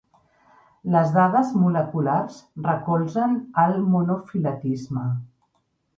Les dades moleculars recolzen el monofiletisme.